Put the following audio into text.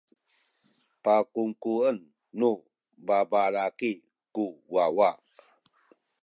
pakungkuen nu babalaki ku wawa.